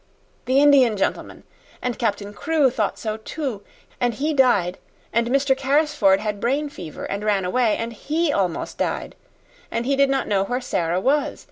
"The Indian gentleman. And Captain Crewe thought so, too and he died; and Mr. Carrisford had brain fever and ran away, and HE almost died. And he did not know where Sara was.